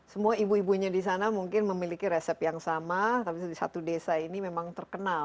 semua ibu ibunya di sana mungkin memiliki resep yang sama tapi di satu desa ini memang terkenal